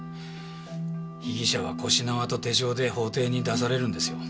被疑者は腰縄と手錠で法廷に出されるんですよ。